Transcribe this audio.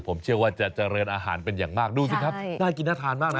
ผมเชื่อว่าจะเจริญอาหารเป็นอย่างมากดูสิครับน่ากินน่าทานมากนะ